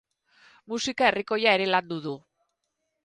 Musika herrikoia ere landu du.